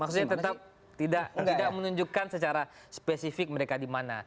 maksudnya tetap tidak menunjukkan secara spesifik mereka di mana